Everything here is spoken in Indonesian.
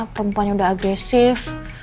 perempuannya udah agresif